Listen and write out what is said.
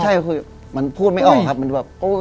ใช่คือมันพูดไม่ออกครับมันแบบ